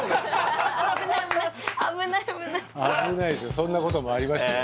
そんなこともありましたね